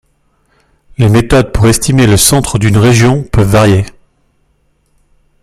Les méthodes pour estimer le centre d'une région peuvent varier.